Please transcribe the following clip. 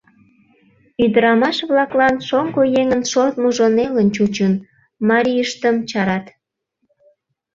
Ӱдырамаш-влаклан шоҥго еҥын шортмыжо нелын чучын, марийыштым чарат.